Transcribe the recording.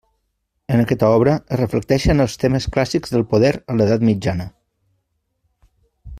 En aquesta obra es reflecteixen els temes clàssics del poder a l'Edat mitjana.